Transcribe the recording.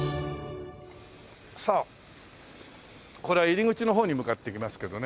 さあこれは入り口の方に向かって行きますけどね。